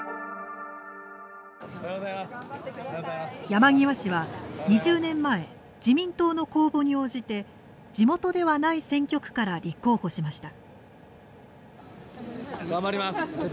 山際氏は、２０年前自民党の公募に応じて地元ではない選挙区から立候補しました。